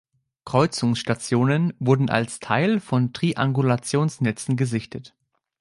Kreuzungsstationen wurden als Teil von Triangulationsnetzen gesichtet.